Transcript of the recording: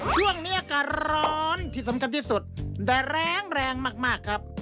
ช่วงนี้อากาศร้อนที่สำคัญที่สุดแต่แรงแรงมากครับ